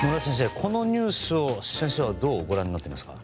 このニュースを先生はどうご覧になっていますか？